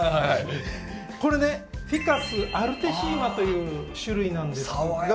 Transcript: これね「フィカス・アルティッシマ」という種類なんですが。